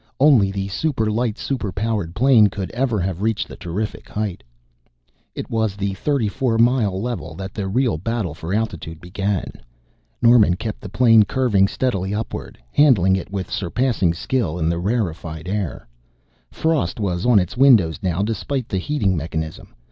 Only the super light, super powered plane could ever have reached the terrific height. It was at the thirty four mile level that the real battle for altitude began. Norman kept the plane curving steadily upward, handling it with surpassing skill in the rarefied air. Frost was on its windows now despite the heating mechanism.